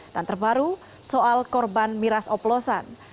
dan terbaru soal korban miras oplosan